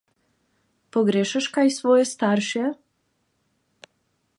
Pogrešaš kaj svoje starše?